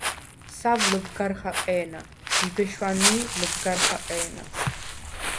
სავ ლჷბგარ ხაყე̄ნა, ჟიბე შვანი̄ ლჷბგარ ხაყე̄ნა.